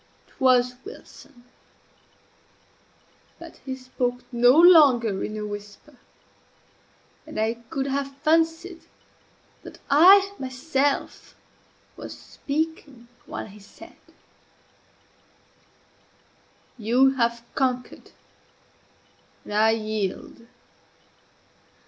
It was Wilson; but he spoke no longer in a whisper, and I could have fancied that I myself was speaking while he said: _"You have conquered, and I yield.